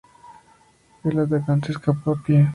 El atacante escapó a pie.